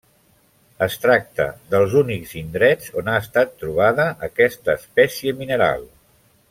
Es tracta dels únics indrets on ha estat trobada aquesta espècie mineral.